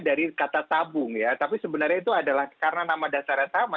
dari kata tabung ya tapi sebenarnya itu adalah karena nama dasarnya sama